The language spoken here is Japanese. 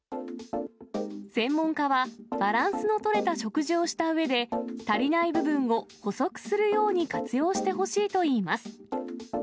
専門家は、バランスの取れた食事をしたうえで、足りない部分を補足するように活用してほしいといいます。